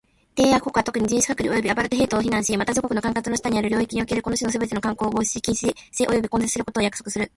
締約国は、特に、人種隔離及びアパルトヘイトを非難し、また、自国の管轄の下にある領域におけるこの種のすべての慣行を防止し、禁止し及び根絶することを約束する。